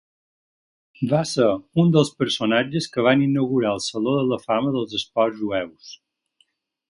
Va ser un dels personatges que van inaugurar el Saló de la Fama dels Esports Jueus.